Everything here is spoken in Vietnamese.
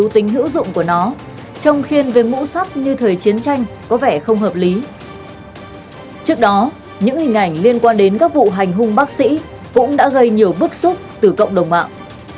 trước đó những hình ảnh liên quan đến các vụ hành hung bác sĩ cũng đã gây nhiều bức xúc từ cộng đồng mạng